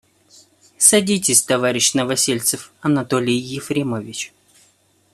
Садитесь, товарищ Новосельцев, Анатолий Ефремович.